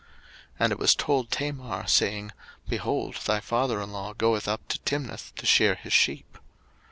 01:038:013 And it was told Tamar, saying, Behold thy father in law goeth up to Timnath to shear his sheep.